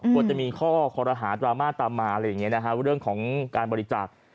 ควรจะมีข้อคอรหาดราม่าตามมาเรื่องของการบริจาค